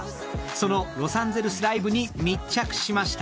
そのロサンゼルスライブに密着しました。